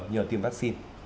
nhờ tiêm vaccine